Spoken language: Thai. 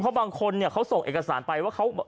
เพราะบางคนเนี่ยเขาส่งเอกสารไปว่าเขา